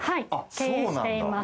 経営しています。